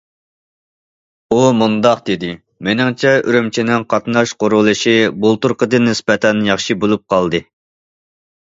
ئۇ مۇنداق دېدى: مېنىڭچە ئۈرۈمچىنىڭ قاتناش قۇرۇلۇشى بۇلتۇرقىدىن نىسبەتەن ياخشى بولۇپ قالدى.